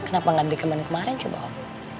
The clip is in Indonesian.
kenapa gak dikembali kemarin coba om